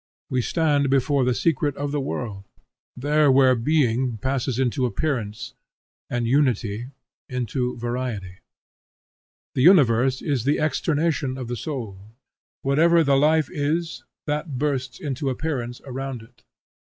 We stand before the secret of the world, there where Being passes into Appearance and Unity into Variety. The Universe is the externization of the soul. Wherever the life is, that bursts into appearance around it.